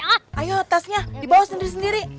ayo tasnya dibawa sendiri sendiri